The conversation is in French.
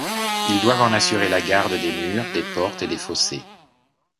Ils doivent en assurer la garde des murs, des portes et des fossés.